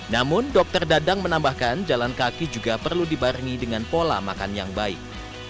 namun dokter dadang menambahkan jalan kaki juga perlu dibarengi dengan pola makan yang baik